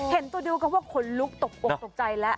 เห็นตัวดูก็ว่าคนลุกตกปกตกใจแล้ว